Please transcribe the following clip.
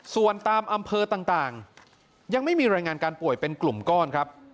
ส่วนตามอำเภอต่างยังไม่มีรายงานการป่วยเป็นกลุ่มก้อนครับ